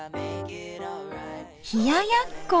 冷ややっこ！